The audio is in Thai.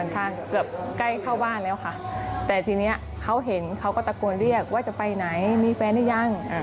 แต่ทีนี้เขาเห็นเขาก็ตะโกนเรียกว่าจะไปไหนมีแฟนได้ยัง